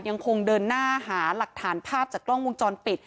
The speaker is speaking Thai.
ยังคงเดินหน้าหาหลักฐานภาพจากกล้องวงจรปิด